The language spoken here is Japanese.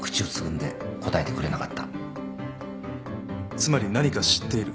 つまり何か知っている。